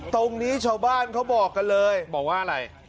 ตรงนี้ชาวบ้านเขาบอกกันเลยบอกว่าอะไร